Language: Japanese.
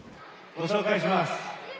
ご紹介します。